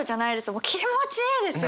もう気持ちいい！ですよ。